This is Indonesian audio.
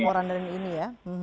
untuk laporan ini ya